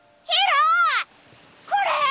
これ！